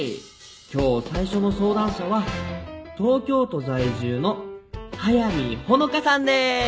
今日最初の相談者は東京都在住の速見穂香さんです。